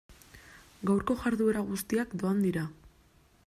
Gaurko jarduera guztiak doan dira.